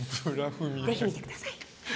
ぜひ見てください。